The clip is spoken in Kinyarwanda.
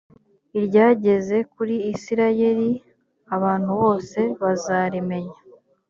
iryageze kuri isirayeli abantu bose bazarimenya